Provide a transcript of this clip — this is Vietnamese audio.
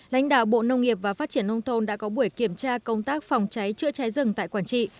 lãnh đạo bộ nông nghiệp và phát triển nông thôn đã có buổi kiểm tra công tác phòng cháy chữa cháy rừng tại quảng trị